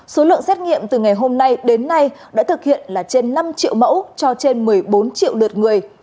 số lượng xét nghiệm từ ngày hôm nay đến nay đã thực hiện là trên năm triệu mẫu cho trên một mươi bốn triệu lượt người